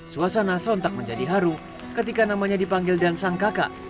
suasana sontak menjadi haru ketika namanya dipanggil dan sang kakak